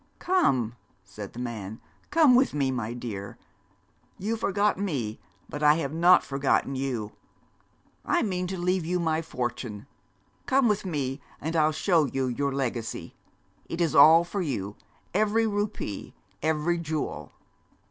'Come,' said the man, 'come with me, my dear. You forgot me, but I have not forgotten you. I mean to leave you my fortune. Come with me, and I'll show you your legacy. It is all for you every rupee every jewel.'